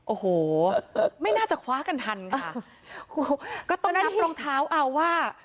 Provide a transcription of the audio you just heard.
โอ้โหไม่น่าจะคว้ากันทันค่ะคุณก็ต้องนับรองเท้าเอาว่า